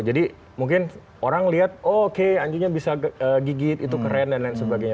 jadi mungkin orang lihat oh oke anjingnya bisa gigit itu keren dan lain sebagainya